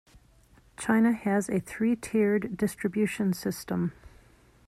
China has a three tiered distribution system.